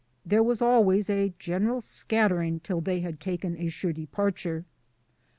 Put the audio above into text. There was always a general scattering till they had taken a sure departure.